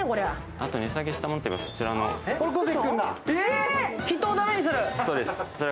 あと、値下げしたものといえばそちらの。